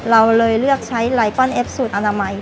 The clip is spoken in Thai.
เราเลยเลือกใช้ไลปอนเอฟสูตรอนามัย